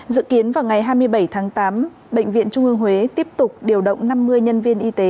dự kiến vào ngày hai mươi bảy tháng tám bệnh viện trung ương huế tiếp tục điều động năm mươi nhân viên y tế